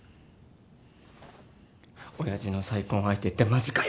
親父の再婚相手ってマジかよ。